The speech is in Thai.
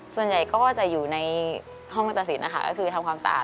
ส่วนใหญ่ก็จะอยู่ในห้องกระสินนะคะก็คือทำความสะอาด